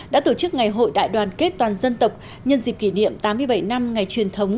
đã tổ chức ngày hội đại đoàn kết toàn dân tộc nhân dịp kỷ niệm tám mươi bảy năm ngày truyền thống